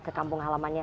ke kampung halamannya